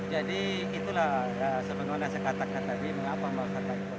jadi itulah sebenarnya saya katakan tadi mengapa maksud pak bupati